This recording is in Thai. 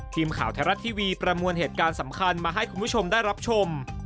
ทีมข่าวไทยรัฐทีวีประมวลเหตุการณ์สำคัญมาให้คุณผู้ชมได้รับชม